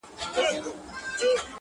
مور تر ټولو زياته ځورېږي تل,